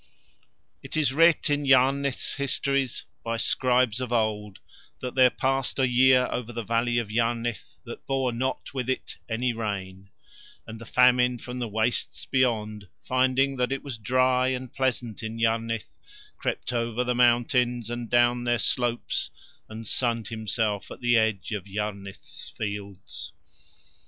It is writ in Yarnith's histories by scribes of old that there passed a year over the valley of Yarnith that bore not with it any rain; and the Famine from the wastes beyond, finding that it was dry and pleasant in Yarnith, crept over the mountains and down their slopes and sunned himself at the edge of Yarnith's fields.